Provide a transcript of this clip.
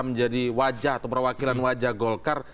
menjadi wajah atau perwakilan wajah golkar